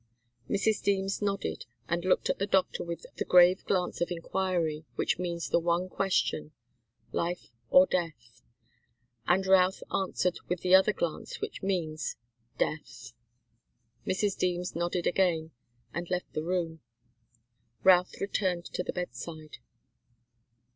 Mrs. Deems nodded, and looked at the doctor with the grave glance of enquiry which means the one question, 'Life or death?' And Routh answered with the other glance, which means 'Death.' Mrs. Deems nodded again, and left the room. Routh returned to the bedside.